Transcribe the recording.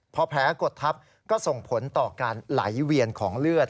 พอแผลกดทับก็ส่งผลต่อการไหลเวียนของเลือด